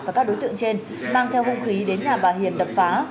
và các đối tượng trên mang theo hung khí đến nhà bà hiền đập phá